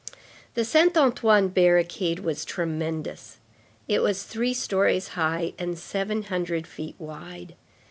The Saint Antoine barricade was tremendous; it was three stories high, and seven hundred feet wide.